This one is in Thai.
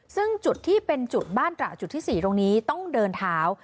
ซึ่งจุดที่เป็นจุดบ้านตระจุดที่๔ตรงนี้ต้องเดินเท้า